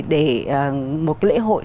để một lễ hội